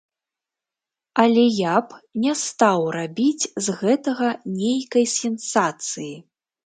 Але я б не стаў рабіць з гэтага нейкай сенсацыі.